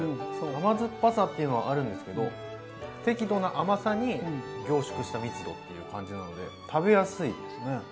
甘酸っぱさていうのはあるんですけど適度な甘さに凝縮した密度っていう感じなので食べやすいですね。